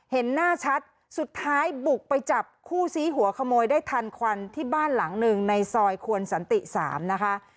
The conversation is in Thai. เห็นหน้าชัดสุดท้ายบุกไปจับคู่ซี้หัวขโมยได้ทันควันที่บ้านหลังหนึ่งในซอยควรสันติ๓นะคะ